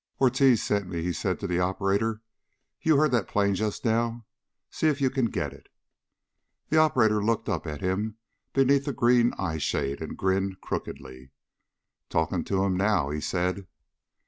"Ortiz sent me," he said to the operator. "You heard that plane just now. See if you can get it." The operator looked up at him beneath a green eyeshade and grinned crookedly. "Talking to 'em now," he said.